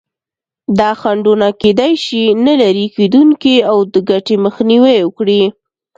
دا خنډونه کېدای شي نه لرې کېدونکي او د ګټې مخنیوی وکړي.